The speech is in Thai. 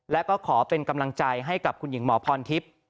และก็ขอเป็นกำลังใจให้กับคุณหญิงหมอพรทิพย์